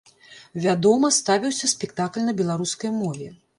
Вядома ставіўся спектакль на беларускай мове.